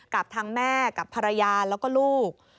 กับทางแม่กับภรรยาแล้วก็ลูก